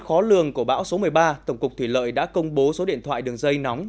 trước khó lường của bão số một mươi ba tổng cục thủy lợi đã công bố số điện thoại đường dây nóng